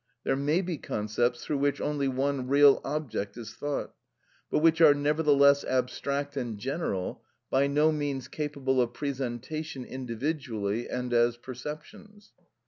There may be concepts through which only one real object is thought, but which are nevertheless abstract and general, by no means capable of presentation individually and as perceptions.